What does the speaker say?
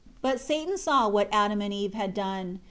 3 But Satan saw what Adam and Eve had done.